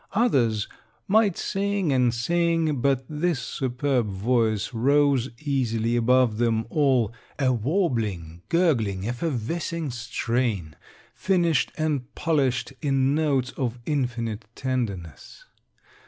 Others might sing and sing, but this superb voice rose easily above them all, a warbling, gurgling, effervescing strain, finished and polished in notes of infinite tenderness.